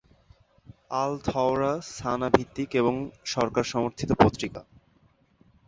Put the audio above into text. আল-থওরা Sanaa ভিত্তিক এবং সরকার-সমর্থিত পত্রিকা।